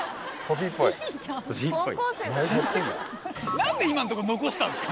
何で今のとこ残したんすか。